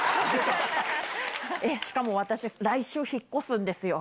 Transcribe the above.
しかも私、来週引っ越すんですよ。